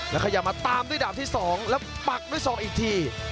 แล้วขยับมาตามด้วยดาบที่๒แล้วปักด้วยศอกอีกที